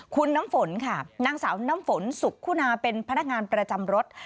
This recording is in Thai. คุณน้ำฝนค่ะนางสาวน้ำฝนสุขคุณาเป็นพนักงานประจำรถ